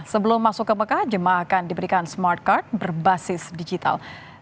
sebelum masuk ke mekah jemaah akan diberikan smart card berbasis digital